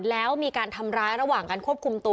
แล้วมีการทำร้ายระหว่างการควบคุมตัว